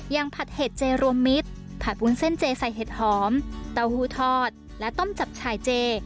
ผัดเห็ดเจรวมมิตรผัดวุ้นเส้นเจใส่เห็ดหอมเต้าหู้ทอดและต้มจับฉายเจ